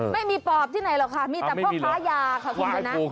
ไม่มีปอบที่ไหนหรอกค่ะมีแต่พ่อค้ายาค่ะคุณชนะ